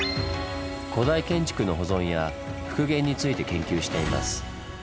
古代建築の保存や復元について研究しています。